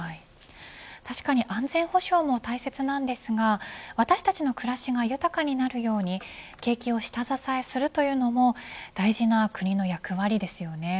確かに安全保障も大切なんですが私たちの暮らしが豊かになるように景気を下支えするというのも大事な国の役割ですよね。